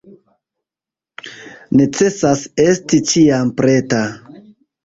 Necesas esti ĉiam preta.